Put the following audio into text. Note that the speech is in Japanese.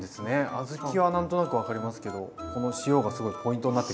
小豆は何となく分かりますけどこの塩がすごいポイントになってくるんですね。